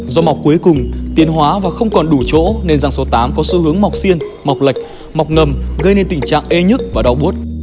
do mọc cuối cùng tiền hóa và không còn đủ chỗ nên răng số tám có xu hướng mọc siên mọc lệch mọc ngầm gây nên tình trạng ê nhức và đau bút